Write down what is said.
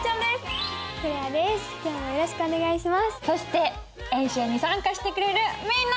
そして演習に参加してくれるみんな！